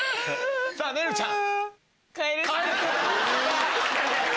さぁめるるちゃん。